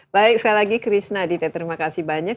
baik sekali lagi krisna aditya terima kasih banyak